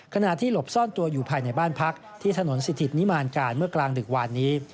ขณะที่หลบซ่อนตัวอยู่ภายในบ้านพักที่ถนนสถิตนิมานการเมื่อกลางดึกวานนี้